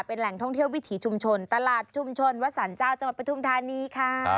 เป็นแหล่งท่องเที่ยววิถีชุมชนตลาดชุมชนวัดสรรเจ้าจังหวัดปทุมธานีค่ะ